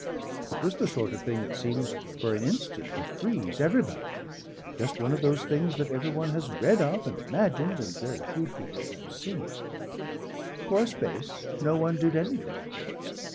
It was the sort of thing that seems for an instant to freeze everybody, just one of those things that everyone has read of and imagined and very few people have seen. For a space no one did anything.